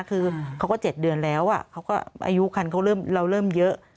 คือเขาก็๗เดือนแล้วอายุคันเราเริ่มเยอะ